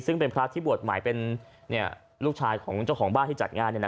ซึ่งเป็นพระที่บวชใหม่เป็นลูกชายของเจ้าของบ้านที่จัดงาน